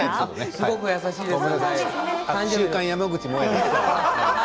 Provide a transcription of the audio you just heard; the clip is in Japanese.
すごい優しいです。